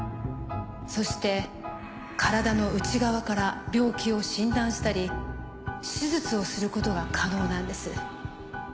そして体の内側から病気を診断したり手術をすることが可能なんです。